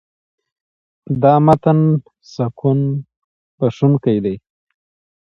دا متن سکون بښونکی دی.